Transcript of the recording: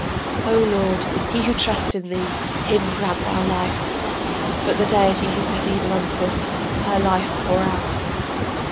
O lord, he who trusts in thee, him grant thou life, But the deity who set evil on foot, her life pour out.